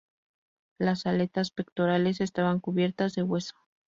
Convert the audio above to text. Las aletas pectorales estaban cubiertas de hueso.